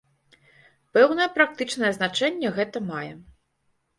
Пэўнае практычнае значэнне гэта мае.